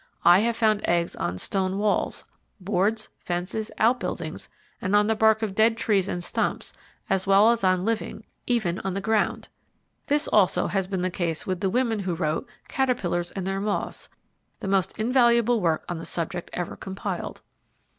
I have found eggs on stone walls, boards, fences, outbuildings, and on the bark of dead trees and stumps as well as living, even on the ground. This also, has been the case with the women who wrote "Caterpillars and their Moths", the most invaluable work on the subject ever compiled.